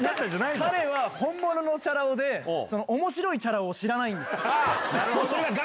彼は本物のチャラ男で、おもしろいチャラ男を知らないんですよ。